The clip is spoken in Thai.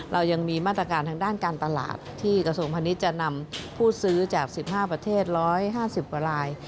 เรายังมีมาตรการทางด้านการตลาดที่กระทรวงพาณิชย์จะนำผู้ซื้อจาก๑๕ประเทศ๑๕๐กว่าราย